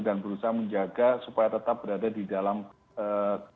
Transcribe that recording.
dan berusaha menjaga supaya tetap berada di dalam kondisi